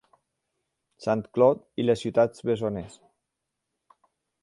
St. Cloud i les Ciutats Bessones.